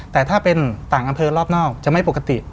แต่ถ้าเป็นต่างอำเภอรอบนอกจะไม่ปกติ